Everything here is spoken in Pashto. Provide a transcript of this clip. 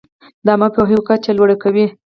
د عامه پوهاوي کچه لوړه کوي.